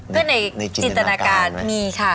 เพื่อในจินตนาการมีค่ะ